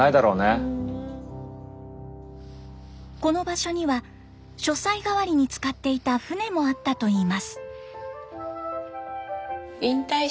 この場所には書斎代わりに使っていた船もあったといいます。